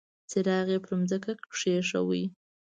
څراغ يې پر ځمکه کېښود.